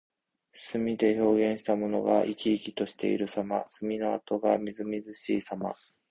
墨で表現したものが生き生きしているさま。墨の跡がみずみずしいさま。